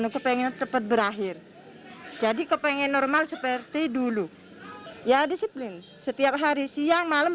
kepengen cepat berakhir jadi kepengen normal seperti dulu ya disiplin setiap hari siang malam